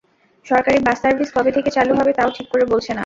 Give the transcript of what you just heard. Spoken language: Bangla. সরকারি বাস সার্ভিস কবে থেকে চালু হবে তা-ও ঠিক করে বলছে না।